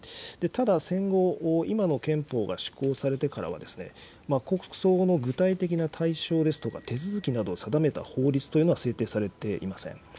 ただ、戦後、今の憲法が施行されてからは、国葬の具体的な対象ですとか手続きなどを定めた法律というのは制定されていません。